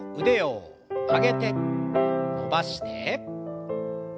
腕を曲げて伸ばして。